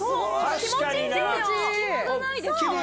気持ちいいんですよ！